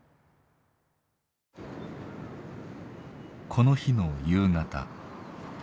この日の夕方。